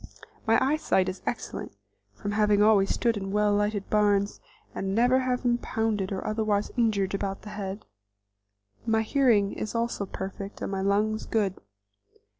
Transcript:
My eyesight is excellent, from having always stood in well lighted barns and never having been pounded or otherwise injured about the head. My hearing is also perfect and my lungs good.